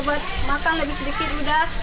dia buat makan sedikit lagi sudah